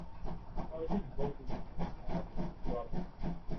Haunting vocals usually add to the drama.